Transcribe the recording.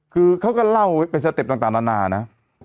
คือเขาก็เล่าเป็นสเต็ปต่างนานานะ